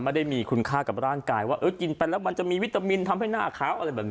ไม่ได้มีคุณค่ากับร่างกายว่าเออกินไปแล้วมันจะมีวิตามินทำให้หน้าขาวอะไรแบบนี้